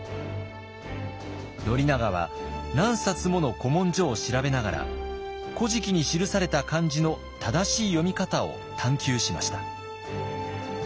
宣長は何冊もの古文書を調べながら「古事記」に記された漢字の正しい読み方を探究しました。